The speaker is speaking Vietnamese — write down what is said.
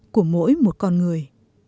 của mỗi một con người